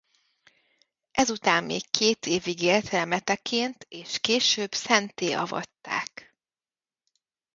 Ezután még két évig élt remeteként és később szentté avatták.